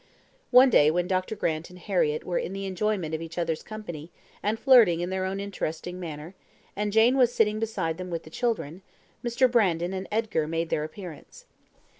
One day when Dr. Grant and Harriett were in the enjoyment of each other's company, and flirting in their own interesting manner, and Jane was sitting beside them with the children, Mr. Brandon and Edgar made their appearance.